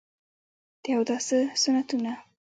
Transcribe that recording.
د اوداسه سنتونه: